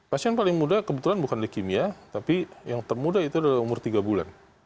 pasien paling muda kebetulan bukan leukemia tapi yang termuda itu sudah umur tiga bulan